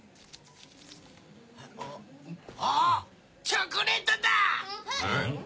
チョコレートだ！